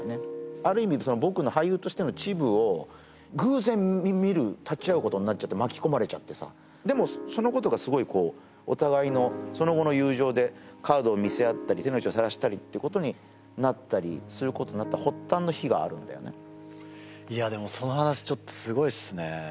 ある意味僕の俳優としての恥部を偶然見る立ち会うことになって巻き込まれちゃってさでもそのことがすごいお互いのその後の友情でカードを見せ合ったり手の内をさらしたりってことになったりすることになった発端の日があるんだよねいやでもその話ちょっとすごいっすね